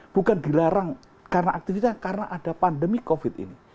bukan dilarang karena aktivitas karena ada pandemi covid ini